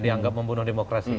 dianggap membunuh demokrasi